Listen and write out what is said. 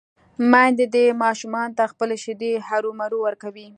ميندې دې ماشومانو ته خپلې شېدې هرومرو ورکوي